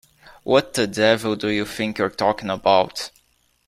What the devil do you think you're talking about?